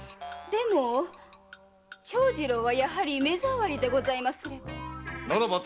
でも長次郎はやはり目障りでございますれば。